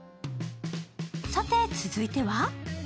さて続いては？